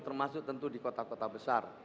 termasuk tentu di kota kota besar